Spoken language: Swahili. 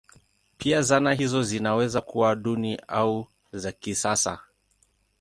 Pia zana hizo zinaweza kuwa duni au za kisasa.